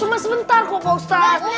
cuma sebentar kok pak ustadz